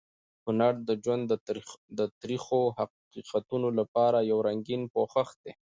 هنر د ژوند د تریخو حقیقتونو لپاره یو رنګین پوښ دی.